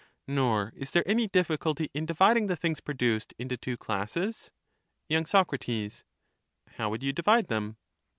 Nor is there any difficulty in dividing the things pro duced into two classes. y. Sac. How would you divide them